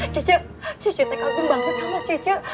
cece cece tekak bener banget sama cece